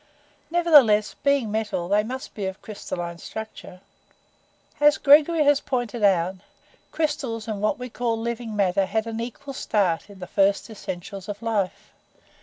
Nevertheless, being metal, they must be of crystalline structure. "As Gregory has pointed out, crystals and what we call living matter had an equal start in the first essentials of life.